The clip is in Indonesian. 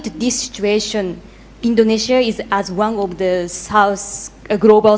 terhadap situasi ini indonesia adalah salah satu pemerintah utama global